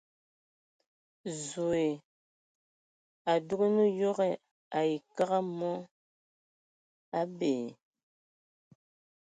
Zoe a dugan yoge ai kǝg a mɔ, a bee !